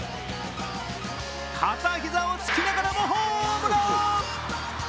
片膝をつきながらもホームラン！